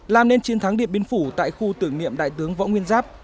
làm nên chiến thắng điện biên phủ tại khu tưởng niệm đại tướng võ nguyên giáp